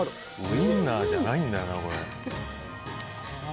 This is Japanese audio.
ウインナーじゃないんだよな。